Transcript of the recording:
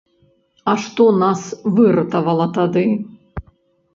А што нас выратавала тады?